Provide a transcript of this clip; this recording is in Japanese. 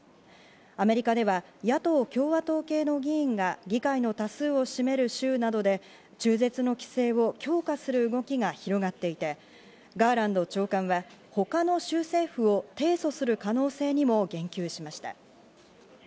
アメリカでは野党・共和党系の議員が議会の多数を占める州などで、中絶の規制を強化する動きが広がっていて、ガーランド長官は他の州政府を提訴する可能性にも言及しました。